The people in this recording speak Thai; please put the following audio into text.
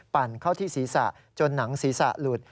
เข้าที่ศีรษะจนหนังศีรษะหลุด